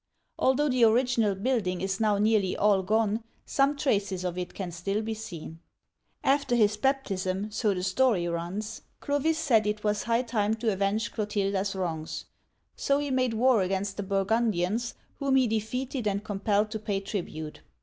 Although the original building is now nearly all gone, some traces of it can still be seen. After his baptism, so the story runs, Clovis said it was high time to avenge Clotilda's wrongs ; so he made war against the Burgundians, whom he defeated and compelled to pay tribute.